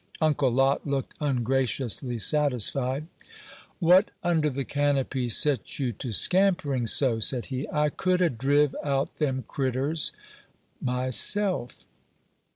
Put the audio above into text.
Uncle Lot looked ungraciously satisfied. "What under the canopy set you to scampering so?" said he; "I could a' driv out them critturs myself."